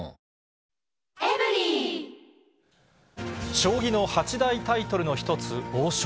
将棋の八大タイトルの一つ、王将。